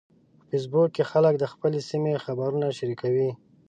په فېسبوک کې خلک د خپلې سیمې خبرونه شریکوي